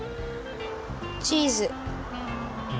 チーズ。